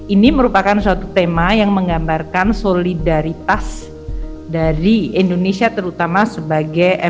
ini merupakan suatu tema yang menggambarkan solidaritas dari indonesia terutama sebagai